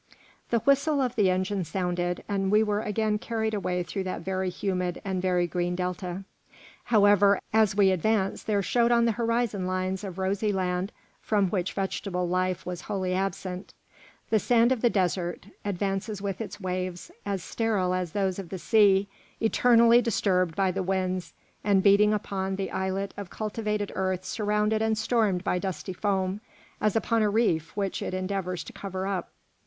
The whistle of the engine sounded, and we were again carried away through that very humid and very green Delta. However, as we advanced there showed on the horizon lines of rosy land from which vegetable life was wholly absent. The sand of the desert advances with its waves, as sterile as those of the sea, eternally disturbed by the winds and beating upon the islet of cultivated earth surrounded and stormed by dusty foam, as upon a reef which it endeavours to cover up.